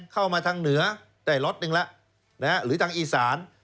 เข้ามาทางเหนือได้ล็อตหนึ่งแล้วหรือทางอีสาน